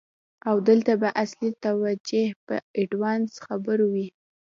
او دلته به اصلی توجه په آډوانس خبرو وی.